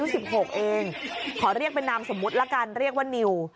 สิบหกเองขอเรียกเป็นนามสมมุติละกันเรียกว่านิว